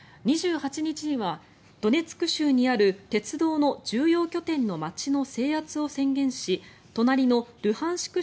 ２８日にはドネツク州にある鉄道の重要拠点の街の制圧を宣言し隣のルハンシク